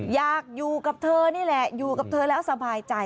อยากอยู่กับเธอนี่แหละอยู่กับเธอแล้วสบายใจ